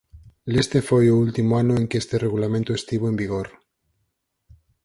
Leste foi o último ano en que este regulamento estivo en vigor.